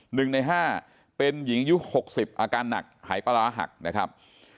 หนึ่งในห้าเป็นหญิงอายุหกสิบอาการหนักหายปลาร้าหักนะครับ